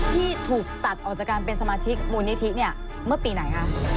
ที่ถูกตัดออกจากการเป็นสมาชิกมูลนิธิเนี่ยเมื่อปีไหนคะ